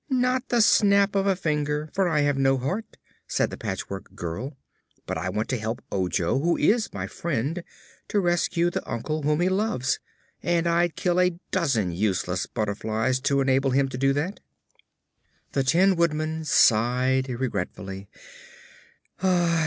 "Not the snap of a finger, for I have no heart," said the Patchwork Girl. "But I want to help Ojo, who is my friend, to rescue the uncle whom he loves, and I'd kill a dozen useless butterflies to enable him to do that." The Tin Woodman sighed regretfully.